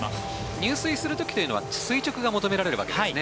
入水する時は垂直が求められるわけですね。